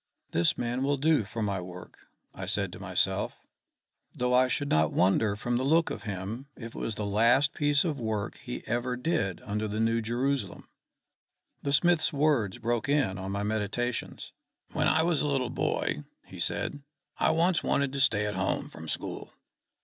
"This man will do for my work," I said to myself; "though I should not wonder from the look of him if it was the last piece of work he ever did under the New Jerusalem." The smith's words broke in on my meditations. "When I was a little boy," he said, "I once wanted to stay at home from school.